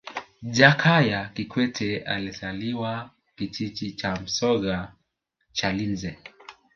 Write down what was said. jakaya kikwete alizaliwa kijiji cha msoga chalinze